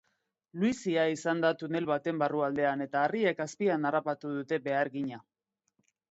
Luizia izan da tunel baten barrualdean eta harriek azpian harrapatu dute behargina.